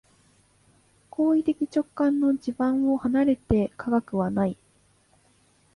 行為的直観の地盤を離れて科学はない。